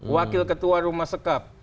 wakil ketua rumah sekap